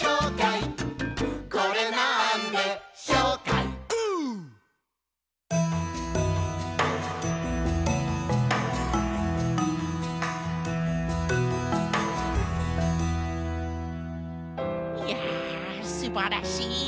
いやすばらしい！